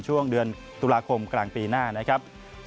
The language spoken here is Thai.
ช่วงเดือนตุลาคมกลางปีหน้านะครับ